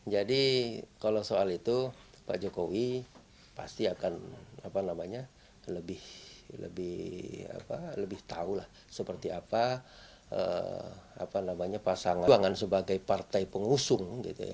jadi kalau soal itu pak jokowi pasti akan lebih tahu seperti apa pasangan perjuangan sebagai partai pengusung